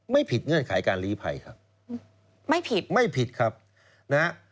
ผิดเงื่อนไขการลีภัยครับไม่ผิดไม่ผิดครับนะฮะ